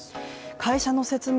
会社の説明